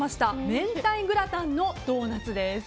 明太グラタンのドーナツです。